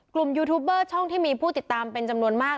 ยูทูบเบอร์ช่องที่มีผู้ติดตามเป็นจำนวนมาก